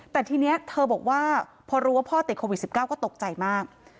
แต่ทีนี้เธอบอกว่าพอรู้ว่าพ่อติดโควิด๑๙ก็ตกใจมาก